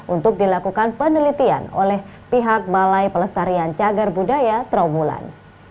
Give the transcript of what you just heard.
untuk dilakukan penelitian oleh pihak balai pelestarian cagar budaya trawulan